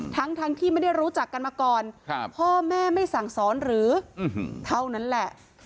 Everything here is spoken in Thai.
ทั้งที่ไม่ได้รู้จักกันมาก่อนพ่อแม่ไม่สั่งสอนหรือเท่านั้นแหละ